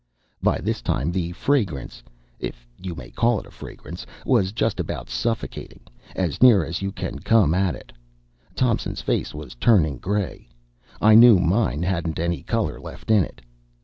By this time the fragrance if you may call it fragrance was just about suffocating, as near as you can come at it. Thompson's face was turning gray; I knew mine hadn't any color left in it.